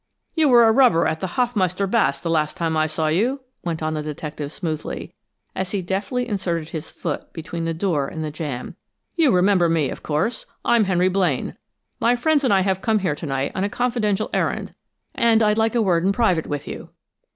"You were a rubber at the Hoffmeister Baths the last time I saw you," went on the detective, smoothly, as he deftly inserted his foot between the door and jamb. "You remember me, of course. I'm Henry Blaine. My friends and I have come here to night on a confidential errand, and I'd like a word in private with you."